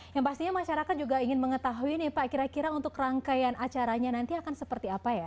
yang pastinya masyarakat juga ingin mengetahui nih pak kira kira untuk rangkaian acaranya nanti akan seperti apa ya